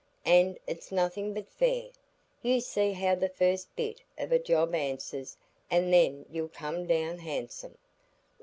An' it's nothing but fair. You see how the first bit of a job answers, an' then you'll come down handsome.